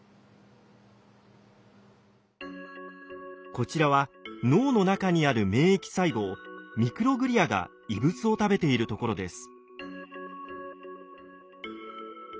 こちらは脳の中にある免疫細胞ミクログリアが異物を食べているところです。